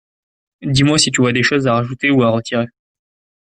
Dis-moi si tu vois des choses à rajouter ou à retirer.